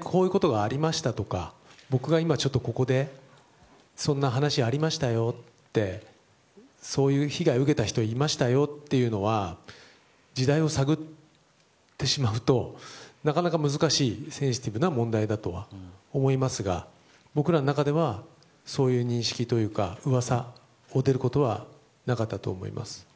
こういうことがありましたとか僕が、今ここでそんな話がありましたよってそういう被害を受けた人いましたよというのは時代を探ってしまうとなかなか難しいセンシティブな問題だと思いますが僕らの中ではそういう認識というか噂の域を出ることはなかったと思います。